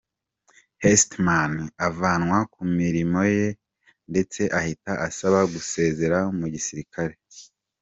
Hesterman, avanwa ku mirimo ye ndetse ahita asaba gusezera mu gisirikare.